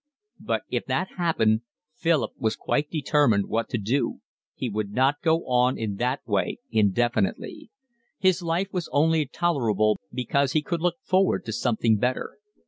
But if that happened Philip was quite determined what to do, he would not go on in that way indefinitely; his life was only tolerable because he could look forward to something better.